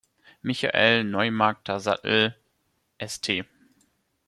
Michael–"Neumarkter Sattel"–St.